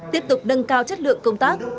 tiếp tục nâng cao chất lượng công tác